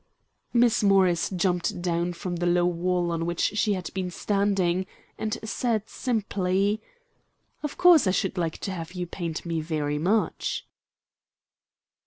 Miss Morris jumped down from the low wall on which she had been standing, and said, simply, "Of course I should like to have you paint me very much."